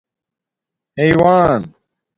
حِیوان